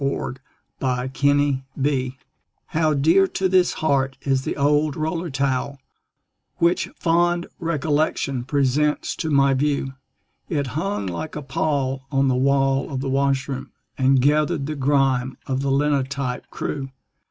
THE OLD ROLLER TOWEL How dear to this heart is the old roller towel Which fond recollection presents to my view. It hung like a pall on the wall of the washroom, And gathered the grime of the linotype crew.